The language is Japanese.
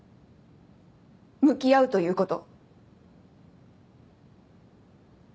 向き合うということ。